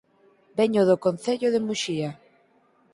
Veño do Concello de Muxía